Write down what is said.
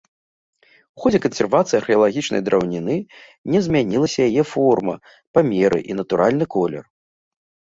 У ходзе кансервацыі археалагічнай драўніны не змяніліся яе форма, памеры і натуральны колер.